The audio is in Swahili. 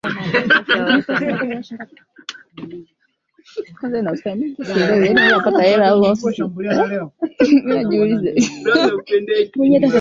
elizabeth alihakikisha kanisa la nglikana linakua sana